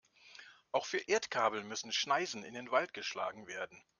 Auch für Erdkabel müssen Schneisen in den Wald geschlagen werden.